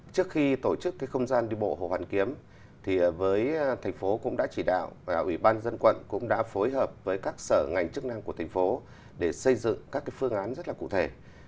trước khi tổ chức không gian đi bộ hồ hoàn kiếm thì với thành phố cũng đã chỉ đạo và ủy ban dân quận cũng đã phối hợp với các sở ngành chức năng của thành phố để xây dựng các phương án rất là cụ thể